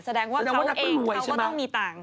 แสดงว่าเราเองเขาก็ต้องมีตังค์